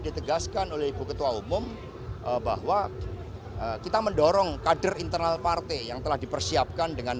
ditegaskan oleh ibu ketua umum bahwa kita mendorong kader internal partai yang telah dipersiapkan dengan